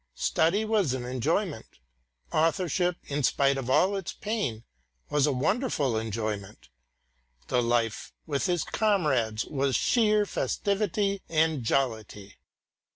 Study was an enjoyment; authorship, in spite of all its pains, was a wonderful enjoyment; the life with his comrades was sheer festivity and jollity.